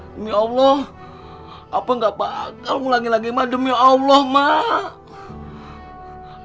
demi allah apa nggak bakal mulai lagi mak demi allah mak